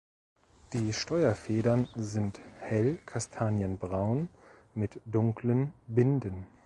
Die Steuerfedern sind hell kastanienbraun mit dunklen Binden.